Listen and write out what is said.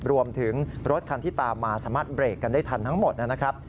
รวมถึงรถคันที่ตามมาสามารถเบรกกันได้ทันทั้งหมดนะครับ